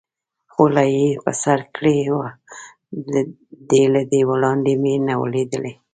خولۍ یې پر سر کړې وه، دی له دې وړاندې مې نه و لیدلی.